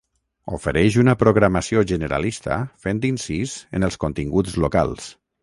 Ofereix una programació generalista fent incís en els continguts locals.